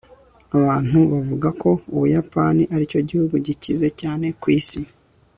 Abantu bavuga ko Ubuyapani aricyo gihugu gikize cyane ku isi